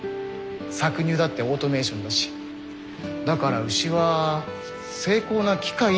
搾乳だってオートメーションだしだから牛は精巧な機械ってとこかな。